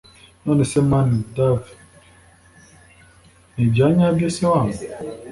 nonese mn dav nibyanyabyo se wangu